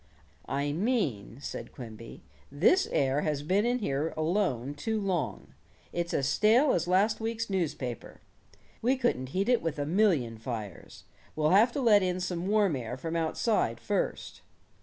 "I mean," said Quimby, "this air has been in here alone too long. It's as stale as last week's newspaper. We couldn't heat it with a million fires. We'll have to let in some warm air from outside first."